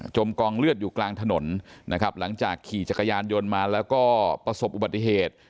กองเลือดอยู่กลางถนนนะครับหลังจากขี่จักรยานยนต์มาแล้วก็ประสบอุบัติเหตุ